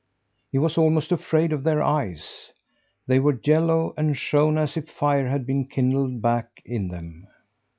He was almost afraid of their eyes. They were yellow, and shone as if a fire had been kindled back of them.